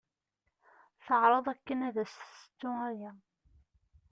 Teɛreḍ akken ad as-tessettu aya.